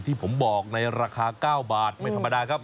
ที่ผมบอกในราคา๙บาทไม่ธรรมดาครับ